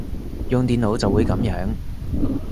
用電腦就會噉樣